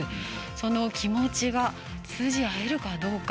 その気持ちが通じ合えるかどうか。